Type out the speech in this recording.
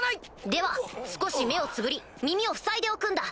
では少し目をつぶり耳をふさいでおくんだ！